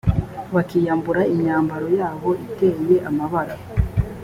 bakiyambura imyambaro yabo iteye amabara